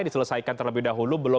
diselesaikan terlebih dahulu